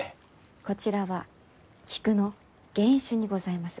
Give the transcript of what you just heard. こちらは菊の原種にございます。